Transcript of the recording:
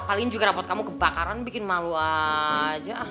paling juga rapot kamu kebakaran bikin malu aja